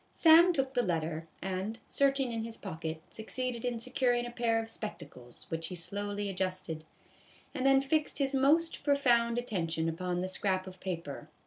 Sam took the letter, and, searching in his pocket, succeeded in securing a pair of spectacles, which he slowly adjusted, and then fixed his most profound attention upon the scrap of paper.